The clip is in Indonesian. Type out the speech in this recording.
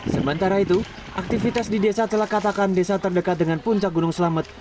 sementara itu aktivitas di desa telakatakan desa terdekat dengan puncak gunung selamet